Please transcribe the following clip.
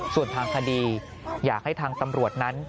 ส่วนทางคดีอยากให้ทางตำรวจนั้น